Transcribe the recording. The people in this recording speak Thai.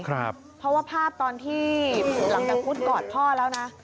เพราะว่าภาพตอนที่หลังจากพุทธกอดพ่อแล้วนะ